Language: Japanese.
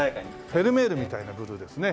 フェルメールみたいなブルーですね。